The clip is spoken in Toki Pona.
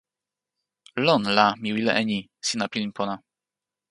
lon la mi wile e ni: sina pilin pona.